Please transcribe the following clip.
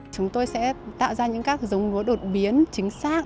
chúng tôi sẽ tạo ra những các giống lúa đột biến chính xác